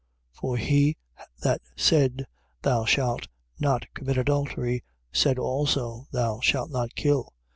For he that said: Thou shalt not commit adultery, said also: Thou shalt not kill.